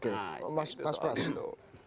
nah itu soal itu